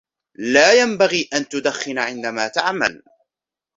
لا ينبغي أن تدخن عندما تعمل.